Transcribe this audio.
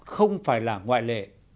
không phải là ngoại lệ